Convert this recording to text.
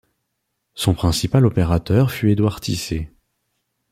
Son principal opérateur fut Édouard Tissé.